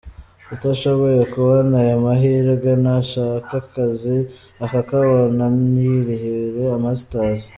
Utashoboye kubona ayo mahirwe nashaka akazi, akakabona, yirihire masters.